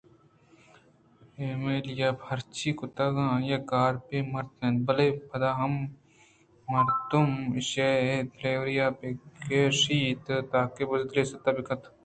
ایمیلیاءَ ہرچی کُتگ آئی ءِ کار بے مٹّ اَنت بلئے پدا ہم مردم ایشیءِ دلاوری ئے بہ گوٛشیت یاکہ بزدلی ستا بہ کنت یاایربہ جنت